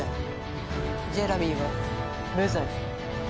ジェラミーは無罪。